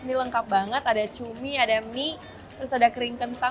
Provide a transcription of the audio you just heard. ini lengkap banget ada cumi ada mie terus ada kering kentang